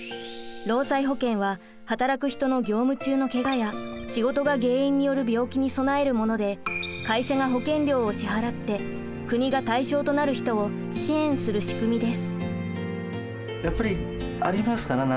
労災保険は働く人の業務中のケガや仕事が原因による病気に備えるもので会社が保険料を支払って国が対象となる人を支援する仕組みです。